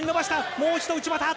もう一度内股。